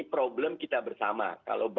problem kita bersama kalau